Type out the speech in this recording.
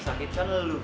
kagak mau pindah sekolah